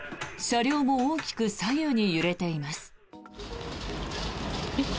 車両も大きく左右に揺れています。